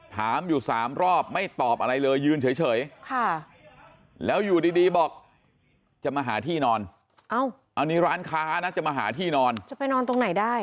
ถามอยู่สามรอบไม่ตอบอะไรเลยยืนเฉยแล้วอยู่ดีบอกจะมาหาที่นอนอันนี้ร้านค้านะจะมาหาที่นอนจะไปนอนตรงไหนได้